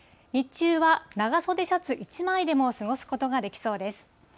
日中は、長袖シャツ１枚でも過ごすことができそうです。